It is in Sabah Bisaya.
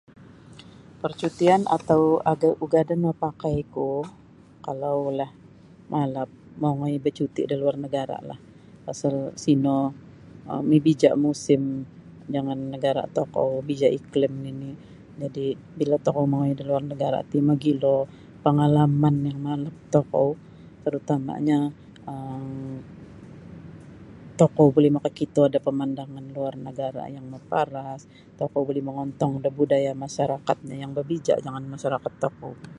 Percutian atau um ugadan mapakai ku kalaulah malap mongoi bacuti da luar nagaralah pasal sino um mibija musim jangan nagara tokou bija iklim nini jadi bila tokou mongoi da luar nagara ti magilo pangalaman yang malap tokou terutamanya um tokou buli makakito da pamandangan luar nagara yang maparas tokou buli mongontong da budaya masyarakatnyo yang berbija jangan masyarakat tokou.